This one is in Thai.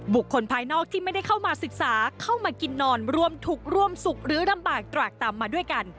คนภายนอกที่ไม่ได้เข้ามาศึกษาเข้ามากินนอนร่วมทุกข์ร่วมสุขหรือลำบากตรากต่ำมาด้วยกัน